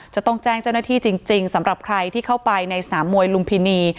จะต้องแจ้งเจ้าหน้าที่จริงสำหรับใครที่เข้าไปในสนามมวยลุมพินี